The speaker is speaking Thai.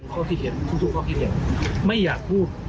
เข้าหมายเห็นมีการลดลงมาอย่างนี้ค่ะ